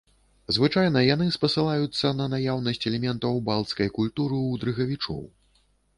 Звычайна яны спасылаюцца на наяўнасць элементаў балцкай культуры ў дрыгавічоў.